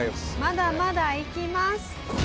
まだまだいきます。